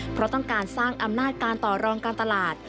เพราะต้องการสร้างอำนาจการต่อรองการตลาด